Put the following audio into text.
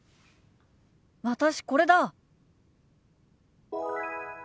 私これだ。